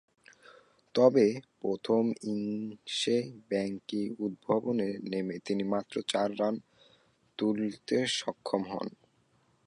তবে, প্রথম ইনিংসে ব্যাটিং উদ্বোধনে নেমে তিনি মাত্র চার রান তুলতে সক্ষম হন।